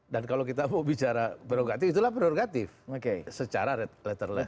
dan kalau kita mau bicara prerogatif itulah prerogatif secara letterless